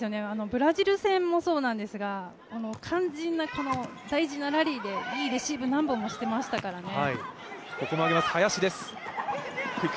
ブラジル戦もそうなんですが肝心な、大事なラリーでいいレシーブ何本もしていましたからね。